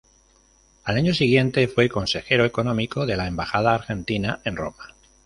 Al año siguiente fue consejero económico de la embajada argentina en Roma.